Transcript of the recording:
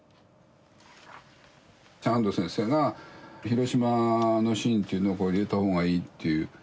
半藤先生が広島のシーンというのをこう入れたほうがいいという。